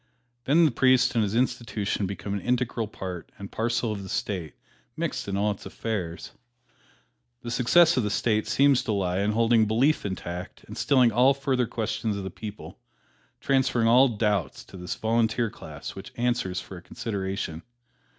Then the priest and his institution become an integral part and parcel of the State, mixed in all its affairs. The success of the State seems to lie in holding belief intact and stilling all further questions of the people, transferring all doubts to this Volunteer Class which answers for a consideration.